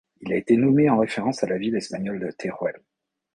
Il a été nommé en référence à la ville espagnole de Teruel.